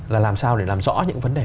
là làm sao để làm rõ những vấn đề